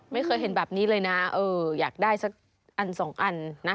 ไม่เคยเห็นแบบนี้เลยนะอยากได้สักอันสองอันนะ